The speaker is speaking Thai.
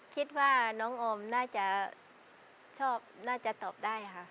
คิดว่าน้องออมน่าจะชอบน่าจะตอบได้ค่ะ